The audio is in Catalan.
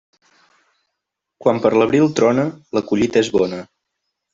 Quan per l'abril trona, la collita és bona.